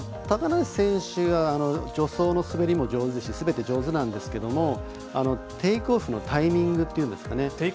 高梨選手は助走の滑りも上手ですしすべて上手なんですけどテイクオフのタイミングというんですかね